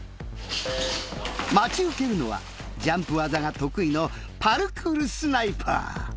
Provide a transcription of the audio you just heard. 待ち受けるのはジャンプ技が得意のパルクールスナイパー。